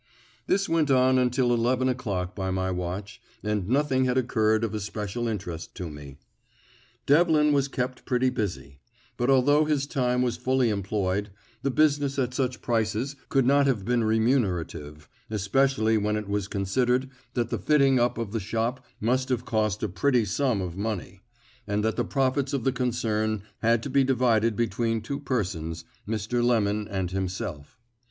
This went on until eleven o'clock by my watch, and nothing had occurred of especial interest to me. Devlin was kept pretty busy; but, although his time was fully employed, the business at such prices could not have been remunerative, especially when it was considered that the fitting up of the shop must have cost a pretty sum of money, and that the profits of the concern had to be divided between two persons, Mr. Lemon and himself.